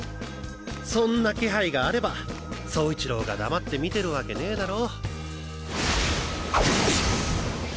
そんな気配があれば走一郎が黙って見てるわけねぇだろ。